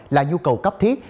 là nhu cầu cấp thiết